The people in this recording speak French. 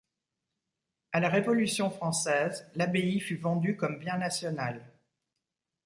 À la Révolution française, l'abbaye fut vendue comme bien national.